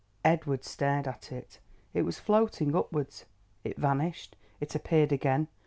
Edward stared at it. It was floating upwards. It vanished—it appeared again.